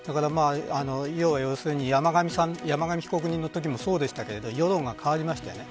要するに山上被告のときもそうでしたが世論が変わりましたよね。